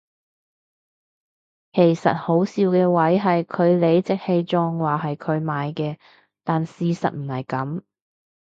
其實好笑嘅位係佢理直氣壯話係佢買嘅但事實唔係噉